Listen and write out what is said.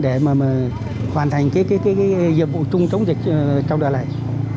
để mà hoàn thành cái dịch vụ chung chống dịch trong đời này